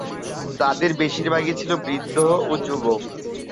তাদের বেশিরভাগই ছিল বৃদ্ধ ও যুবক।